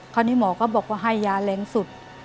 คราวนี้หมอก็บอกว่าให้ยาแรงสุด